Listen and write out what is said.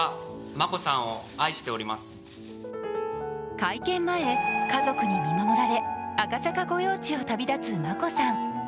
会見前、家族に見守られ、赤坂御用地を旅立つ眞子さん。